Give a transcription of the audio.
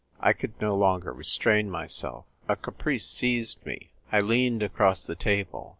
I could no longer restrain myself. A caprice seized me. I leaned across the table.